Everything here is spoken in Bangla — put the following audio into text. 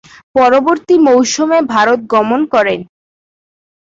পরবর্তী মৌসুমে ভারত গমন করেন।